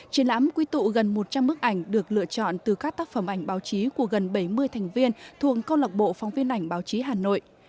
triển lãm quy tụ gần một trăm linh bức ảnh được lựa chọn từ các tác phẩm ảnh báo chí của gần bảy mươi thành viên thuộc câu lạc bộ phóng viên ảnh báo chí hà nội